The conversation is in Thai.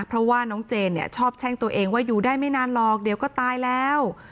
เพราะว่าน้องเจนเนี่ยชอบแช่งตัวเองว่าอยู่ได้ไม่นานหรอกเดี๋ยวก็ตายแล้ว